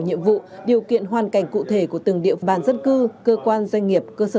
nhiệm vụ điều kiện hoàn cảnh cụ thể của từng địa bàn dân cư cơ quan doanh nghiệp cơ sở